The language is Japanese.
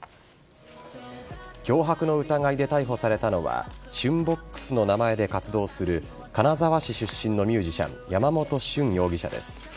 脅迫の疑いで逮捕されたのはＳＨｕＮ‐ＢＯＸの名前で活動する金沢市出身のミュージシャン山本峻容疑者です。